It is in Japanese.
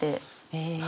へえ。